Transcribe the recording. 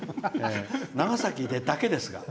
長崎でだけですが。